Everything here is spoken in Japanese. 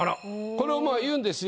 これは言うんですよ